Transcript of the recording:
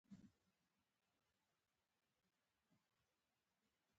باغي ته په ټولنه کې ځای نشته.